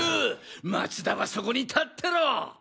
松田はそこに立ってろ！！